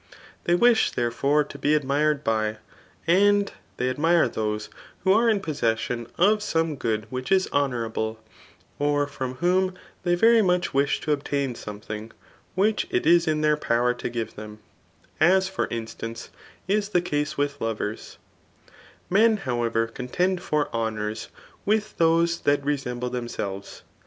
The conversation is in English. They wish, therefore, to be admired bf, and ^1^ admire those^ who are in possession of smte good whiob is hoooiurable^ ^ 'rom whom they very mnch ysih to obtam something which it is in tluir pow«r to gbre them ; ss, for instance^ is thfi case with loversi Hen,, howevser, contend for honours with those dnt rst fVnble thmseWes.